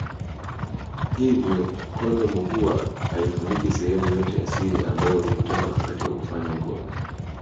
Hivyo kondomu huwa haifuniki sehemu yote ya siri ambayo hukutana wakati wa kufanya ngono